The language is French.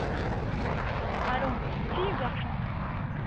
Allons, fill's ou garçons !